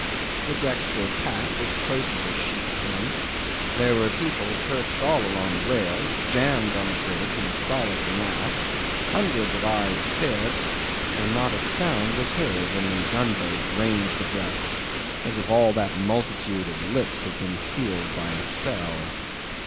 The decks were packed as close as a sheep pen: there were people perched all along the rails, jammed on the bridge in a solid mass; hundreds of eyes stared, and not a sound was heard when the gunboat ranged abreast, as if all that multitude of lips had been sealed by a spell.